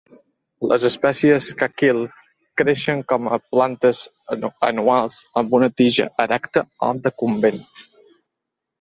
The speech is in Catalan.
Les espècies "Cakile" creixen com a plantes anuals amb una tija erecta o decumbent.